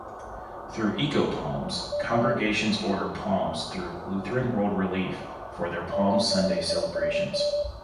Through Eco-Palms, congregations order palms through Lutheran World Relief for their Palm Sunday celebrations.